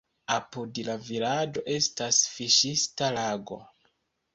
Apud la vilaĝo estas fiŝista lago.